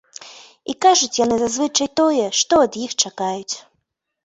І кажуць яны зазвычай тое, што ад іх чакаюць.